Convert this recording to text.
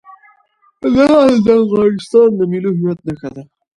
لعل د افغانستان د ملي هویت نښه ده.